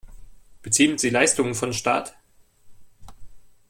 Beziehen Sie Leistungen von Staat?